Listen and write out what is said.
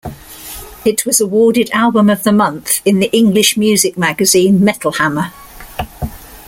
It was awarded "Album of the Month" in the English music magazine "Metal Hammer".